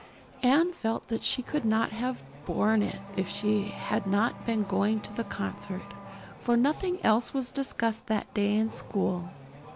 Anne felt that she could not have borne it if she had not been going to the concert, for nothing else was discussed that day in school.